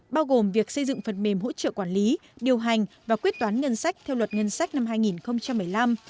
bao gồm việc xây dựng phần mềm hỗ trợ quản lý điều hành và quyết toán ngân sách theo luật ngân sách năm hai nghìn một mươi năm